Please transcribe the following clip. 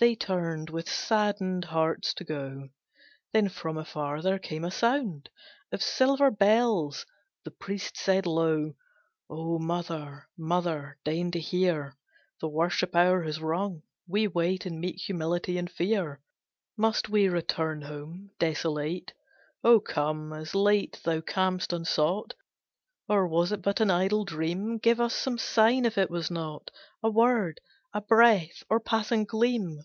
They turned with saddened hearts to go; Then from afar there came a sound Of silver bells; the priest said low, "O Mother, Mother, deign to hear, The worship hour has rung; we wait In meek humility and fear. Must we return home desolate? Oh come, as late thou cam'st unsought, Or was it but an idle dream? Give us some sign if it was not, A word, a breath, or passing gleam."